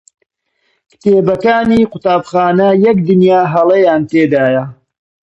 کتێبەکانی قوتابخانە یەک دنیا هەڵەیان تێدایە.